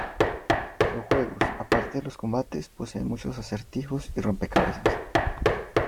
Los juegos, a parte de lo combates, poseen muchos acertijos y rompecabezas.